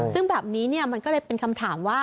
ซึ่งแบบนี้มันก็เลยเป็นคำถามว่า